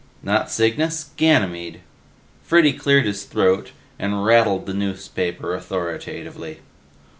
"Not Cygnus. Ganymede." Freddy cleared his throat and rattled the newspaper authoritatively.